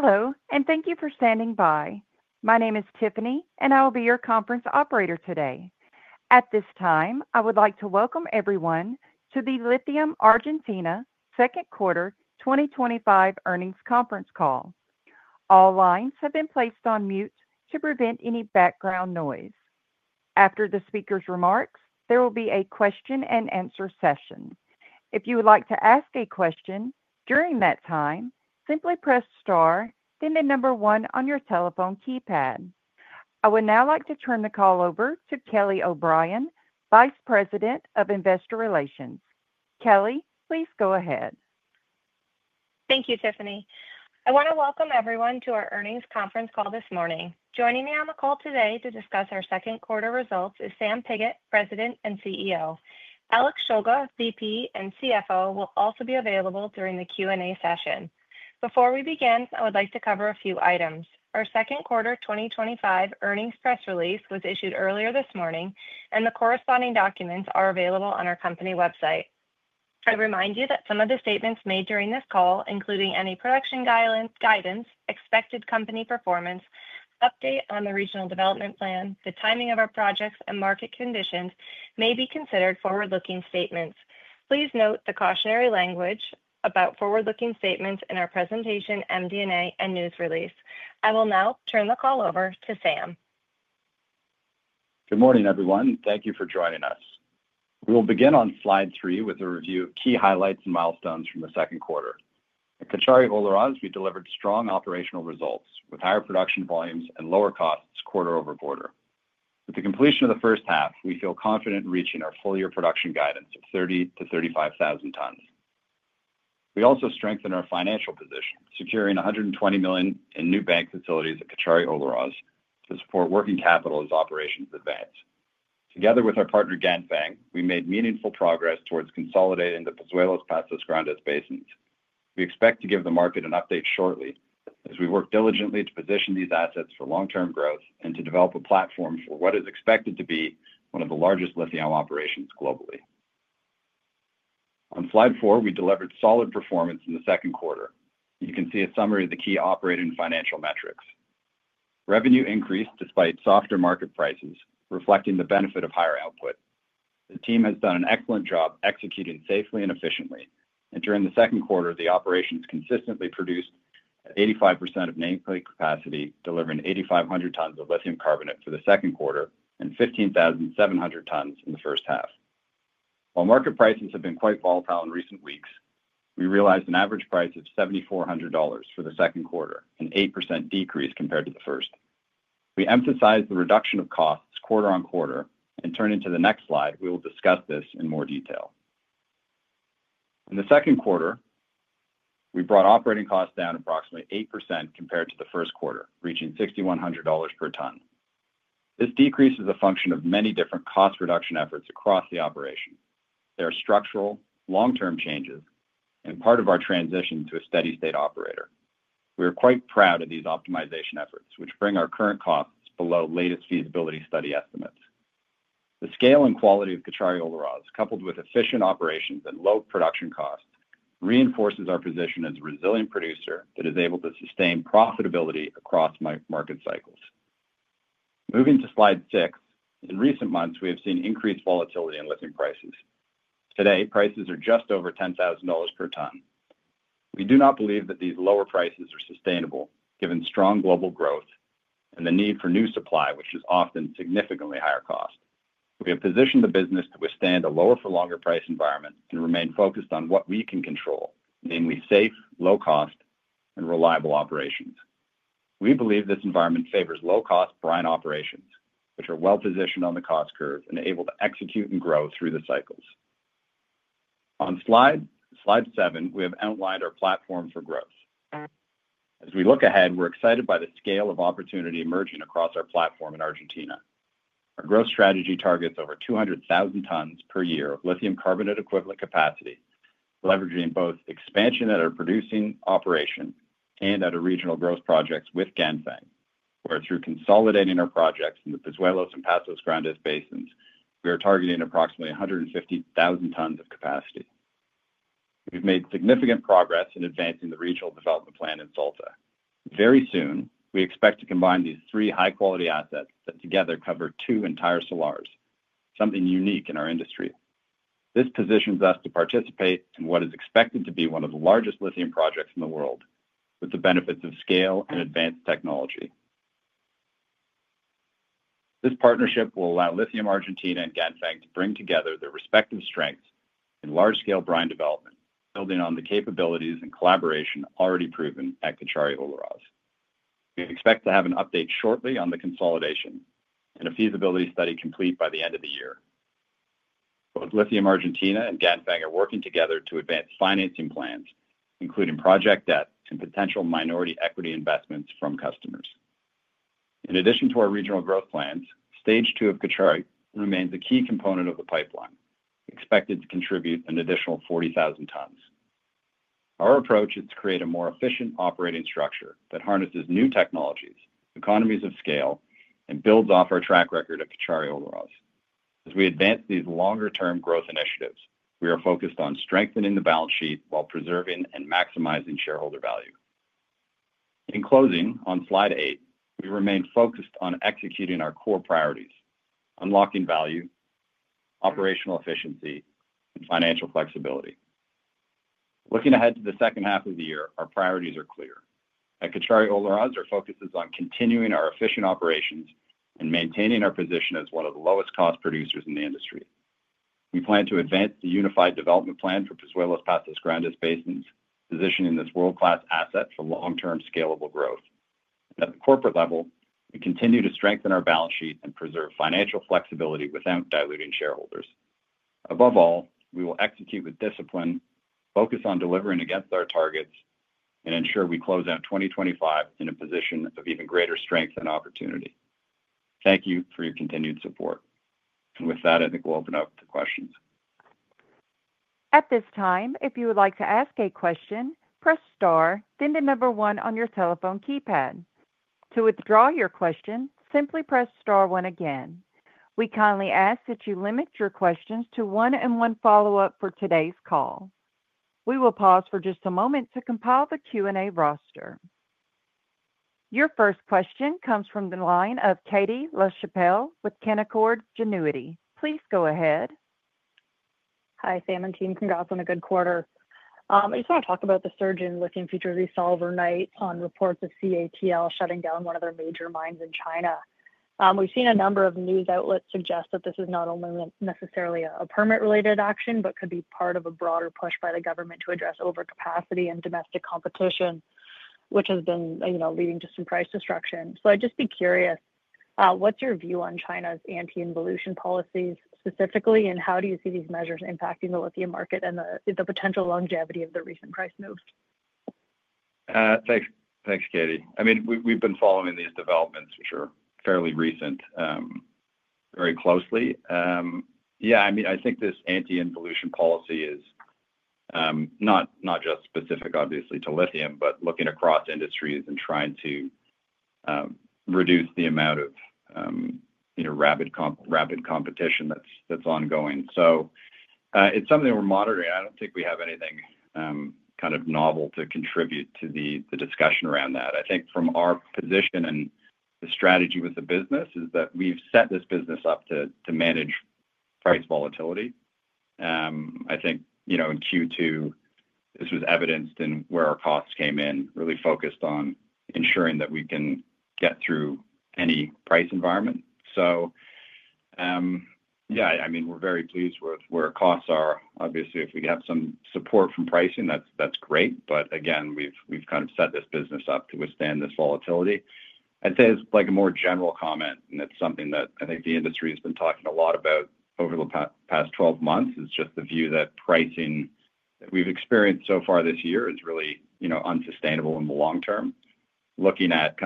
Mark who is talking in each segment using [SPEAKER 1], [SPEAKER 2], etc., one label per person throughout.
[SPEAKER 1] Hello, and thank you for standing by. My name is Tiffany, and I will be your conference operator today. At this time, I would like to welcome everyone to the Lithium Argentina Q2 2025 Earnings Conference Call. All lines have been placed on mute to prevent any background noise. After the speaker's remarks, there will be a question and answer session. If you would like to ask a question during that time, simply press star, then the number one on your telephone keypad. I would now like to turn the call over to Kelly O'Brien, Vice President of Investor Relations. Kelly, please go ahead.
[SPEAKER 2] Thank you, Tiffany. I want to welcome everyone to our earnings conference call this morning. Joining me on the call today to discuss our second quarter results is Sam Pigott, President and CEO. Alex Shulga, VP and CFO, will also be available during the Q&A session. Before we begin, I would like to cover a few items. Our second quarter 2025 earnings press release was issued earlier this morning, and the corresponding documents are available on our company website. I remind you that some of the statements made during this call, including any production guidance, expected company performance, update on the regional development plan, the timing of our projects, and market conditions, may be considered forward-looking statements. Please note the cautionary language about forward-looking statements in our presentation, MD&A, and news release. I will now turn the call over to Sam.
[SPEAKER 3] Good morning, everyone. Thank you for joining us. We will begin on slide three with a review of key highlights and milestones from the second quarter. At Cauchari-Olaroz, we delivered strong operational results with higher production volumes and lower costs quarter over quarter. With the completion of the first half, we feel confident in reaching our full-year production guidance of 30,000-35,000 tons. We also strengthened our financial position, securing $120 million in new bank facilities at Cauchari-Olaroz to support working capital as operations advance. Together with our partner Ganfeng, we made meaningful progress towards consolidating the Pozuelos-Pastos Grandes basins. We expect to give the market an update shortly as we work diligently to position these assets for long-term growth and to develop a platform for what is expected to be one of the largest lithium operations globally. On slide four, we delivered solid performance in the second quarter. You can see a summary of the key operating financial metrics. Revenue increased despite softer market prices, reflecting the benefit of higher output. The team has done an excellent job executing safely and efficiently, and during the second quarter, the operations consistently produced 85% of nameplate capacity, delivering 8,500 tons of lithium carbonate for the second quarter and 15,700 tons in the first half. While market prices have been quite volatile in recent weeks, we realized an average price of $7,400 for the second quarter, an 8% decrease compared to the first. We emphasized the reduction of costs quarter on quarter, and turning to the next slide, we will discuss this in more detail. In the second quarter, we brought operating costs down approximately 8% compared to the first quarter, reaching $6,100 per ton. This decrease is a function of many different cost reduction efforts across the operation. There are structural, long-term changes and part of our transition to a steady-state operator. We are quite proud of these optimization efforts, which bring our current costs below latest feasibility study estimates. The scale and quality of Cauchari-Olaroz, coupled with efficient operations and low production costs, reinforces our position as a resilient producer that is able to sustain profitability across market cycles. Moving to slide six, in recent months, we have seen increased volatility in lithium prices. Today, prices are just over $10,000 per ton. We do not believe that these lower prices are sustainable, given strong global growth and the need for new supply, which is often significantly higher cost. We have positioned the business to withstand a lower for longer price environment and remain focused on what we can control, namely safe, low-cost, and reliable operations. We believe this environment favors low-cost, brine operations, which are well positioned on the cost curve and able to execute and grow through the cycles. On slide seven, we have outlined our platform for growth. As we look ahead, we're excited by the scale of opportunity emerging across our platform in Argentina. Our growth strategy targets over 200,000 tons per year of lithium carbonate equivalent capacity, leveraging both expansion at our producing operation and at our regional growth projects with Ganfeng, where through consolidating our projects in the Pozuelos and Pastos Grandes basins, we are targeting approximately 150,000 tons of capacity. We've made significant progress in advancing the regional development plan in Salta. Very soon, we expect to combine these three high-quality assets that together cover two entire salars, something unique in our industry. This positions us to participate in what is expected to be one of the largest lithium projects in the world, with the benefits of scale and advanced technology. This partnership will allow Lithium Argentina and Ganfeng to bring together their respective strengths in large-scale brine development, building on the capabilities and collaboration already proven at Cauchari-Olaroz. We expect to have an update shortly on the consolidation and a feasibility study complete by the end of the year. Lithium Argentina and Ganfeng are working together to advance financing plans, including project debt and potential minority equity investments from customers. In addition to our regional growth plans, Stage Two of Cauchari-Olaroz remains a key component of the pipeline, expected to contribute an additional 40,000 tons. Our approach is to create a more efficient operating structure that harnesses new technologies, economies of scale, and builds off our track record at Cauchari-Olaroz. As we advance these longer-term growth initiatives, we are focused on strengthening the balance sheet while preserving and maximizing shareholder value. In closing, on slide eight, we remain focused on executing our core priorities: unlocking value, operational efficiency, and financial flexibility. Looking ahead to the second half of the year, our priorities are clear. At Cauchari-Olaroz, our focus is on continuing our efficient operations and maintaining our position as one of the lowest cost producers in the industry. We plan to advance the unified development plan for Pozuelos-Pastos Grandes basins, positioning this world-class asset for long-term scalable growth. At the corporate level, we continue to strengthen our balance sheet and preserve financial flexibility without diluting shareholders. Above all, we will execute with discipline, focus on delivering against our targets, and ensure we close out 2025 in a position of even greater strength and opportunity. Thank you for your continued support. With that, I think we'll open up to questions.
[SPEAKER 1] At this time, if you would like to ask a question, press star, then the number one on your telephone keypad. To withdraw your question, simply press star one again. We kindly ask that you limit your questions to one and one follow-up for today's call. We will pause for just a moment to compile the Q&A roster. Your first question comes from the line of Katie Lachapelle with Canaccord Genuity. Please go ahead.
[SPEAKER 4] Hi, Sam and team. Congrats on a good quarter. I just want to talk about the surge in lithium futures we saw overnight on reports of CATL shutting down one of their major mines in China. We've seen a number of news outlets suggest that this is not only necessarily a permit-related action, but could be part of a broader push by the government to address overcapacity and domestic competition, which has been leading to some price destruction. I'd just be curious, what's your view on China's anti-involution policies specifically, and how do you see these measures impacting the lithium market and the potential longevity of the recent price moves?
[SPEAKER 3] Thanks, Katie. We've been following these developments, which are fairly recent, very closely. I think this anti-involution policy is not just specific, obviously, to lithium, but looking across industries and trying to reduce the amount of rapid competition that's ongoing. It's something we're monitoring. I don't think we have anything kind of novel to contribute to the discussion around that. From our position and the strategy with the business, we've set this business up to manage price volatility. In Q2, this was evidenced in where our costs came in, really focused on ensuring that we can get through any price environment. We're very pleased with where costs are. Obviously, if we have some support from pricing, that's great. We've set this business up to withstand this volatility. I'd say it's a more general comment, and it's something that I think the industry has been talking a lot about over the past 12 months. It's just the view that pricing that we've experienced so far this year is really unsustainable in the long term. Looking at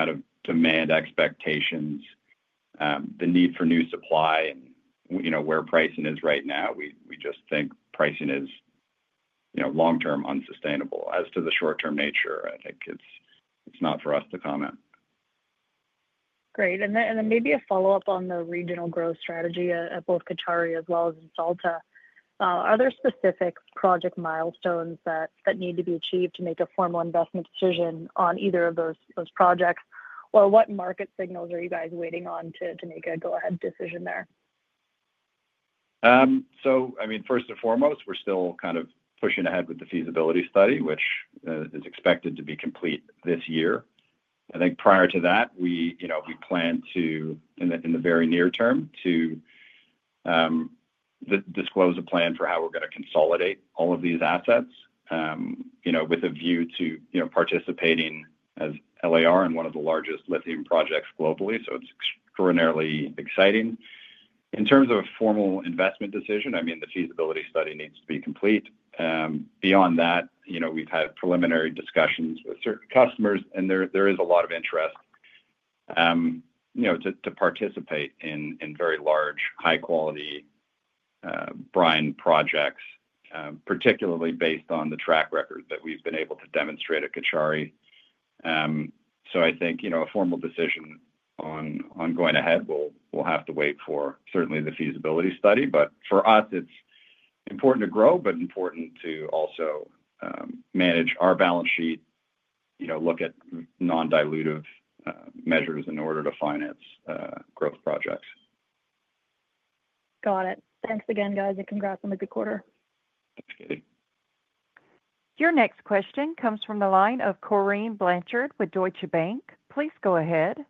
[SPEAKER 3] demand expectations, the need for new supply, and where pricing is right now, we just think pricing is long term unsustainable. As to the short term nature, I think it's not for us to comment.
[SPEAKER 4] Great. Maybe a follow-up on the regional growth strategy at both Cauchari-Olaroz as well as in Salta. Are there specific project milestones that need to be achieved to make a formal investment decision on either of those projects? What market signals are you guys waiting on to make a go-ahead decision there?
[SPEAKER 3] First and foremost, we're still kind of pushing ahead with the feasibility study, which is expected to be complete this year. Prior to that, we plan to, in the very near term, disclose a plan for how we're going to consolidate all of these assets, with a view to participating as LAR in one of the largest lithium projects globally. It's extraordinarily exciting. In terms of a formal investment decision, the feasibility study needs to be complete. Beyond that, we've had preliminary discussions with certain customers, and there is a lot of interest to participate in very large, high-quality brine projects, particularly based on the track record that we've been able to demonstrate at Cauchari. A formal decision on going ahead will have to wait for certainly the feasibility study. For us, it's important to grow, but important to also manage our balance sheet, look at non-dilutive measures in order to finance growth projects.
[SPEAKER 4] Got it. Thanks again, guys, and congrats on a good quarter.
[SPEAKER 3] Thanks, Katie.
[SPEAKER 1] Your next question comes from the line of Corinne Blanchard with Deutsche Bank. Please go ahead.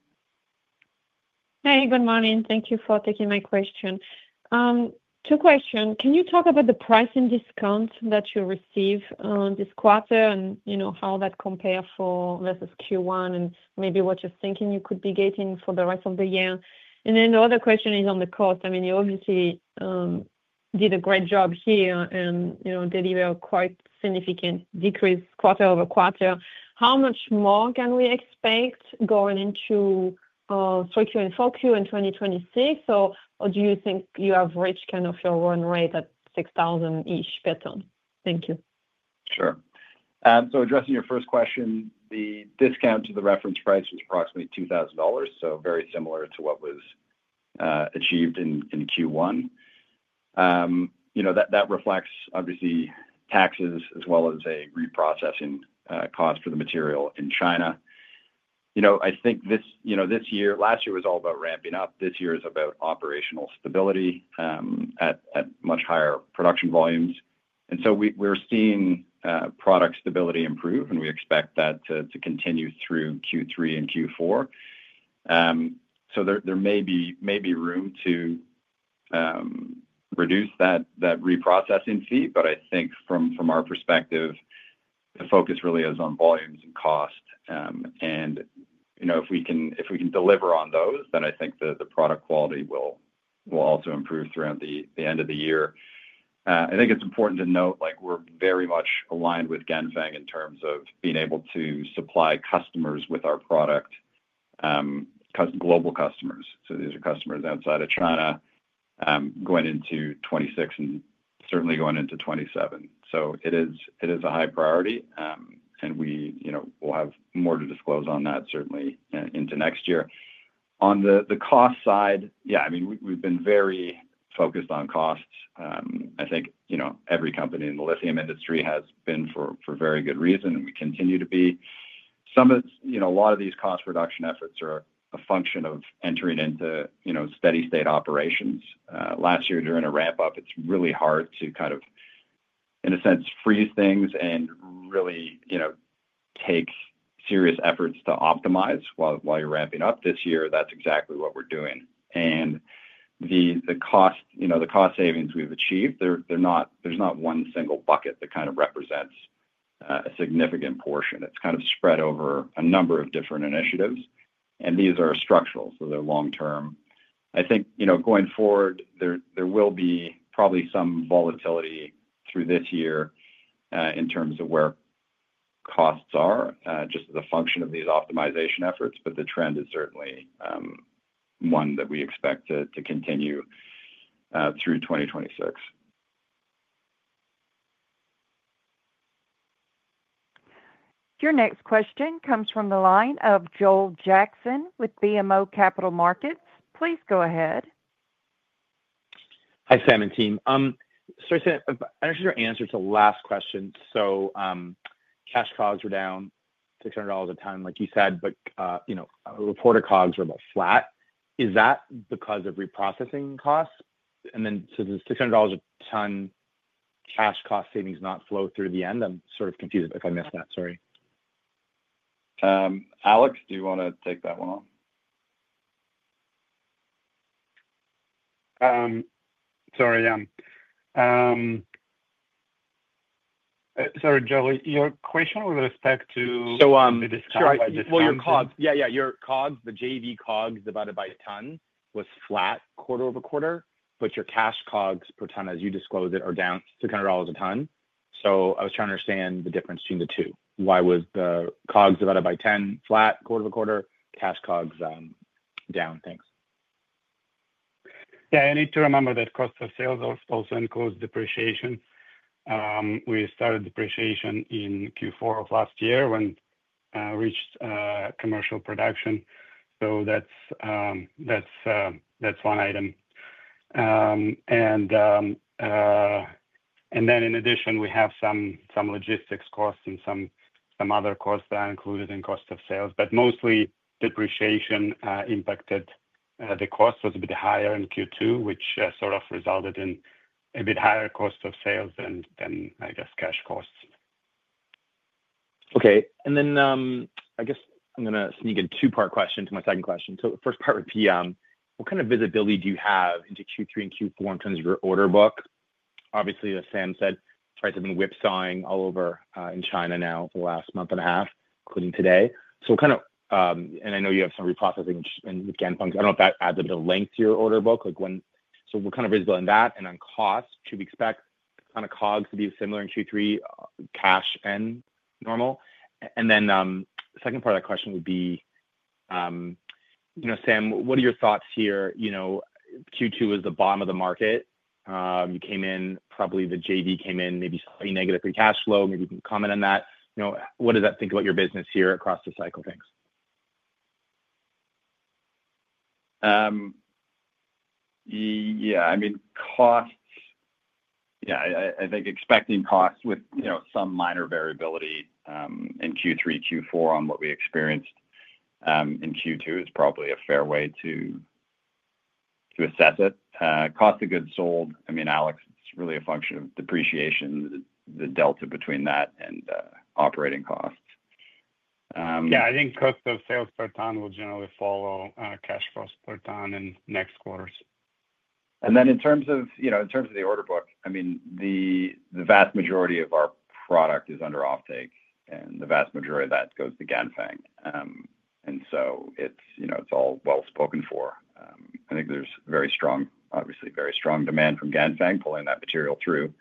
[SPEAKER 5] Hey, good morning. Thank you for taking my question. Two questions. Can you talk about the pricing discounts that you received this quarter and, you know, how that compares versus Q1 and maybe what you're thinking you could be getting for the rest of the year? The other question is on the cost. You obviously did a great job here and, you know, delivered quite a significant decrease quarter over quarter. How much more can we expect going into Q3 and Q4 in 2026? Do you think you have reached kind of your run rate at $6,000 each per ton? Thank you.
[SPEAKER 3] Sure. Addressing your first question, the discount to the reference price was approximately $2,000, very similar to what was achieved in Q1. That reflects taxes as well as a reprocessing cost for the material in China. This year, last year was all about ramping up. This year is about operational stability at much higher production volumes. We are seeing product stability improve, and we expect that to continue through Q3 and Q4. There may be room to reduce that reprocessing fee, but from our perspective, the focus really is on volumes and cost. If we can deliver on those, then the product quality will also improve throughout the end of the year. It is important to note we are very much aligned with Ganfeng in terms of being able to supply customers with our product, global customers. These are customers outside of China going into 2026 and certainly going into 2027. It is a high priority, and we will have more to disclose on that certainly into next year. On the cost side, we have been very focused on costs. Every company in the lithium industry has been for very good reason, and we continue to be. A lot of these cost reduction efforts are a function of entering into steady-state operations. Last year, during a ramp-up, it is really hard to freeze things and take serious efforts to optimize while you are ramping up. This year, that is exactly what we are doing. The cost savings we have achieved, there is not one single bucket that represents a significant portion. It is spread over a number of different initiatives. These are structural, so they are long term. Going forward, there will probably be some volatility through this year in terms of where costs are just as a function of these optimization efforts, but the trend is certainly one that we expect to continue through 2026.
[SPEAKER 1] Your next question comes from the line of Joel Jackson with BMO Capital Markets. Please go ahead.
[SPEAKER 6] Hi, Sam and team. I understood your answer to the last question. Cash COGS are down $600 a ton, like you said, but reported COGS are flat. Is that because of reprocessing costs? Does $600 a ton cash cost savings not flow through the end? I'm sort of confused if I missed that. Sorry.
[SPEAKER 3] Alex, do you want to take that one off?
[SPEAKER 7] Sorry, Joel, your question with respect to the discount?
[SPEAKER 6] Sure. Your COGS, your COGS, the JV COGS divided by ton was flat quarter over quarter, but your cash COGS per ton, as you disclosed it, are down $600 a ton. I was trying to understand the difference between the two. Why was the COGS divided by 10 flat quarter-over-quarter, cash COGS down? Thanks.
[SPEAKER 7] Yeah, I need to remember that cost of sales also includes depreciation. We started depreciation in Q4 of last year when we reached commercial production. That's one item. In addition, we have some logistics costs and some other costs that are included in cost of sales. Mostly, depreciation impacted the cost, which was a bit higher in Q2, which resulted in a bit higher cost of sales than, I guess, cash costs.
[SPEAKER 6] Okay. I'm going to sneak in a two-part question to my second question. The first part would be, what kind of visibility do you have into Q3 and Q4 in terms of your order book? Obviously, as Sam said, price has been whipsawing all over in China now for the last month and a half, including today. What kind of, and I know you have some reprocessing and Ganfeng, I don't know if that adds a bit of length to your order book. What kind of visibility in that and on cost, should we expect on a COG to be similar in Q3, cash and normal? The second part of that question would be, you know, Sam, what are your thoughts here? Q2 was the bottom of the market. You came in, probably the JV came in, maybe slightly negative for cash flow. Maybe you can comment on that. What does that think about your business here across the cycle? Thanks.
[SPEAKER 3] Yeah, I mean, costs, yeah, I think expecting costs with some minor variability in Q3, Q4 on what we experienced in Q2 is probably a fair way to assess it. Cost of goods sold, I mean, Alex, really a function of depreciation, the delta between that and operating costs.
[SPEAKER 7] Yeah, I think cost of sales per ton will generally follow cash costs per ton in next quarters.
[SPEAKER 3] In terms of the order book, the vast majority of our product is under offtake, and the vast majority of that goes to Ganfeng. It's all well spoken for. I think there's very strong, obviously, very strong demand from Ganfeng pulling that material through.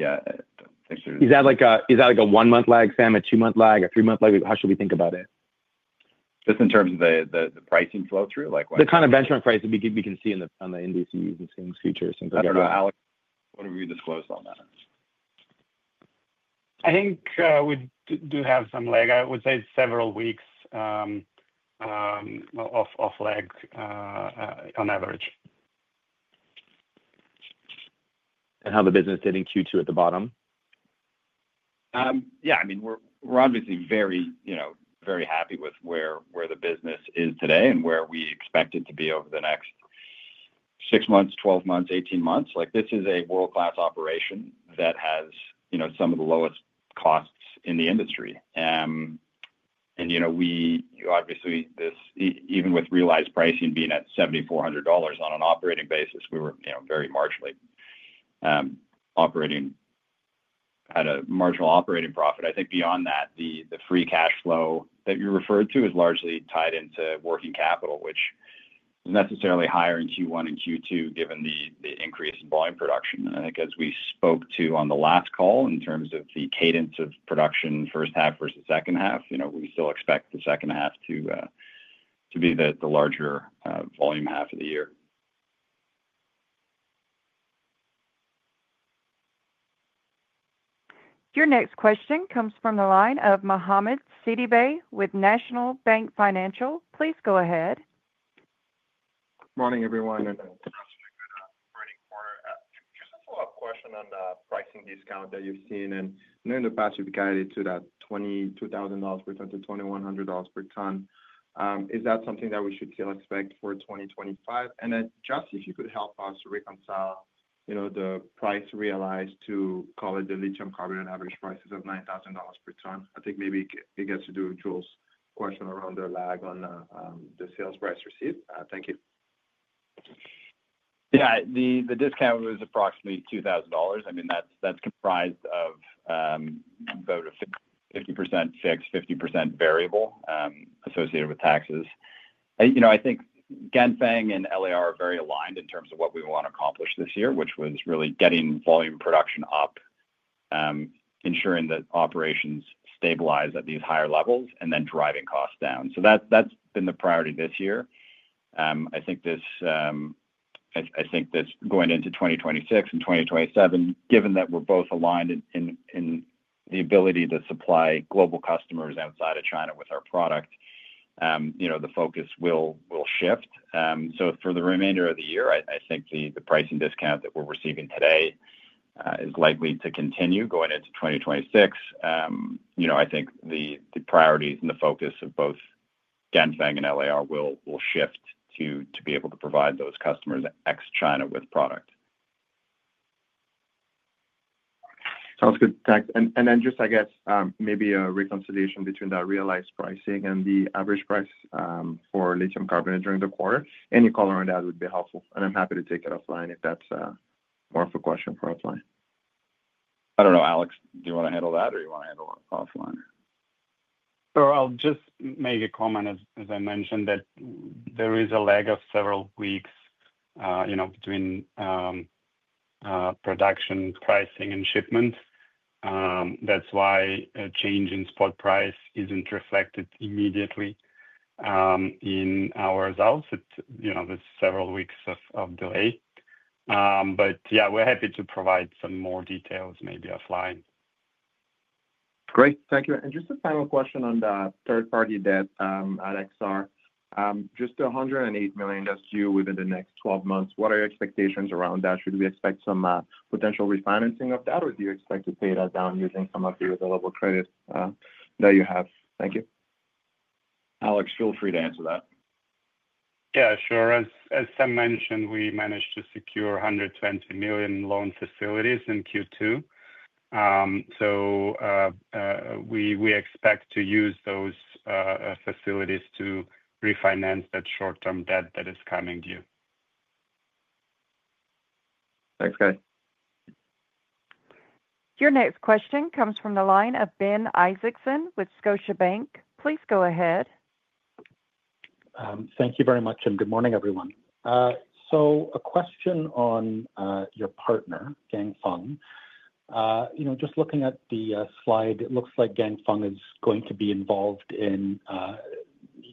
[SPEAKER 3] Yeah, actually.
[SPEAKER 6] Is that like a one-month lag, Sam, a two-month lag, a three-month lag? How should we think about it?
[SPEAKER 3] Just in terms of the pricing flow through, like what?
[SPEAKER 6] The kind of benchmark pricing we can see on the NDCs and CIECs features, things like that.
[SPEAKER 3] Alex, what have you disclosed on that?
[SPEAKER 7] I think we do have some lag. I would say several weeks of lag on average.
[SPEAKER 6] How did the business do in Q2 at the bottom?
[SPEAKER 3] Yeah, I mean, we're obviously very, you know, very happy with where the business is today and where we expect it to be over the next 6 months, 12 months, 18 months. This is a world-class operation that has, you know, some of the lowest costs in the industry. Obviously, even with realized pricing being at $7,400 on an operating basis, we were very marginally operating at a marginal operating profit. I think beyond that, the free cash flow that you referred to is largely tied into working capital, which is necessarily higher in Q1 and Q2 given the increase in volume production. I think as we spoke to on the last call in terms of the cadence of production, first half versus second half, we still expect the second half to be the larger volume half of the year.
[SPEAKER 1] Your next question comes from the line of Mohamed Sidibé with National Bank Financial. Please go ahead.
[SPEAKER 8] Morning, everyone. Just a follow-up question on the pricing discount that you've seen. I know in the past we've guided to that $22,000 per ton-$21,000 per ton. Is that something that we should still expect for 2025? If you could help us reconcile the price realized to cover the lithium carbonate average prices of $9,000 per ton. I think maybe it gets to Joel's question around the lag on the sales price received. Thank you.
[SPEAKER 3] Yeah, the discount was approximately $2,000. I mean, that's comprised of about a 50% fixed, 50% variable associated with taxes. I think Ganfeng and Lithium Argentina are very aligned in terms of what we want to accomplish this year, which was really getting volume production up, ensuring that operations stabilize at these higher levels, and then driving costs down. That's been the priority this year. I think going into 2026 and 2027, given that we're both aligned in the ability to supply global customers outside of China with our product, the focus will shift. For the remainder of the year, I think the pricing discount that we're receiving today is likely to continue going into 2026. I think the priorities and the focus of both Ganfeng and LAR will shift to be able to provide those customers ex-China with product.
[SPEAKER 8] Sounds good. Just, I guess, maybe a reconciliation between that realized pricing and the average price for lithium carbonate during the quarter. Any color on that would be helpful. I'm happy to take it offline if that's more of a question for offline.
[SPEAKER 3] I don't know, Alex, do you want to handle that or do you want to handle it offline?
[SPEAKER 7] I'll just make a comment, as I mentioned, that there is a lag of several weeks between production pricing and shipment. That's why a change in spot price isn't reflected immediately in our results. There's several weeks of delay. We're happy to provide some more details maybe offline.
[SPEAKER 8] Great. Thank you. Just a final question on the third-party debt, Alex. Just $108 million that's due within the next 12 months. What are your expectations around that? Should we expect some potential refinancing of that, or do you expect to pay that down using some of the available credits that you have? Thank you.
[SPEAKER 3] Alex, feel free to answer that.
[SPEAKER 7] Yeah, sure. As Sam mentioned, we managed to secure $120 million loan facilities in Q2. We expect to use those facilities to refinance that short-term debt that is coming due.
[SPEAKER 8] Thanks, guys.
[SPEAKER 1] Your next question comes from the line of Ben Isaacson with Scotiabank. Please go ahead.
[SPEAKER 9] Thank you very much, and good morning, everyone. A question on your partner, Ganfeng. You know, just looking at the slide, it looks like Ganfeng is going to be involved in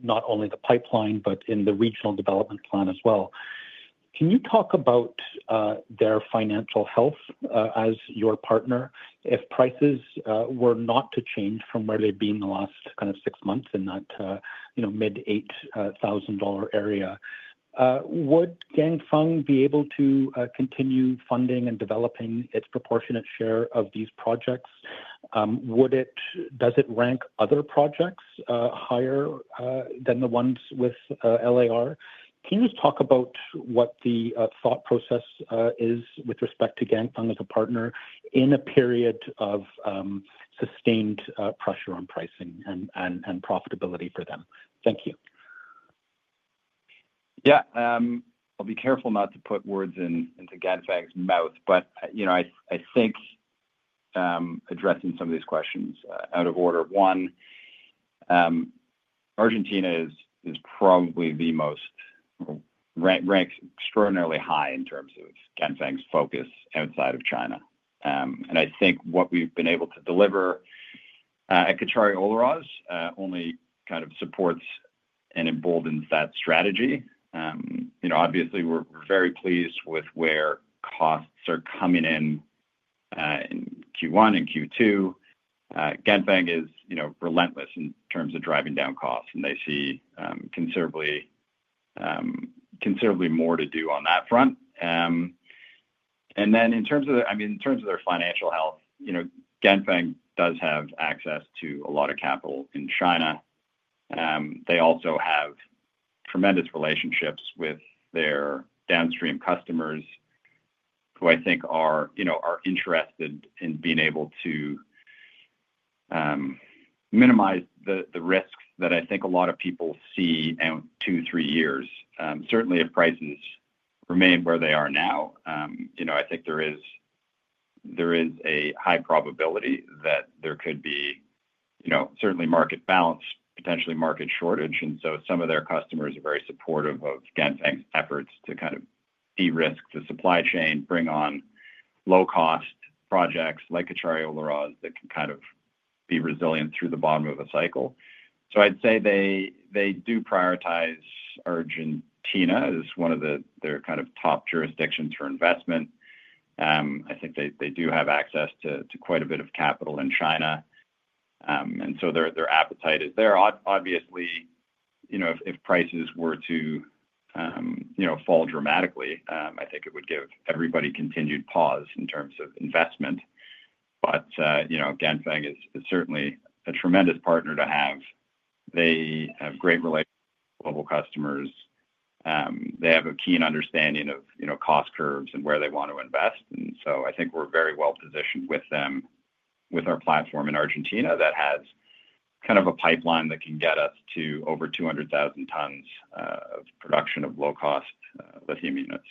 [SPEAKER 9] not only the pipeline, but in the regional development plan as well. Can you talk about their financial health as your partner? If prices were not to change from where they've been in the last kind of six months in that, you know, mid-$8,000 area, would Ganfeng be able to continue funding and developing its proportionate share of these projects? Would it, does it rank other projects higher than the ones with Lithium Argentina? Can you just talk about what the thought process is with respect to Ganfeng as a partner in a period of sustained pressure on pricing and profitability for them? Thank you.
[SPEAKER 3] Yeah, I'll be careful not to put words into Ganfeng's mouth, but I think addressing some of these questions out of order. One, Argentina is probably the most, ranks extraordinarily high in terms of Ganfeng's focus outside of China. I think what we've been able to deliver at Cauchari-Olaroz only kind of supports and emboldens that strategy. Obviously, we're very pleased with where costs are coming in in Q1 and Q2. Ganfeng is relentless in terms of driving down costs, and they see considerably more to do on that front. In terms of their financial health, Ganfeng does have access to a lot of capital in China. They also have tremendous relationships with their downstream customers who I think are interested in being able to minimize the risks that I think a lot of people see in two, three years. Certainly, if prices remain where they are now, I think there is a high probability that there could be, certainly, market bounce, potentially market shortage. Some of their customers are very supportive of Ganfeng's efforts to kind of de-risk the supply chain, bring on low-cost projects like Cauchari-Olaroz that can kind of be resilient through the bottom of a cycle. I'd say they do prioritize Argentina as one of their kind of top jurisdictions for investment. I think they do have access to quite a bit of capital in China, and their appetite is there. Obviously, if prices were to fall dramatically, I think it would give everybody continued pause in terms of investment. Ganfeng is certainly a tremendous partner to have. They have great relationships with global customers. They have a keen understanding of cost curves and where they want to invest. I think we're very well positioned with them with our platform in Argentina that has kind of a pipeline that can get us to over 200,000 tons of production of low-cost lithium units.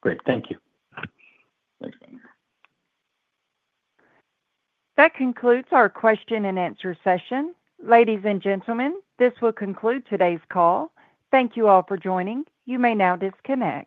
[SPEAKER 9] Great. Thank you.
[SPEAKER 1] That concludes our question and answer session. Ladies and gentlemen, this will conclude today's call. Thank you all for joining. You may now disconnect.